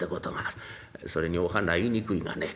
それにお花言いにくいがね